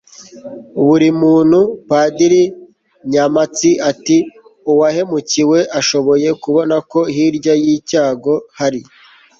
buri muntu. padiri nyampatsi ati uwahemukiwe ashoboye kubona ko hirya y'icyago hari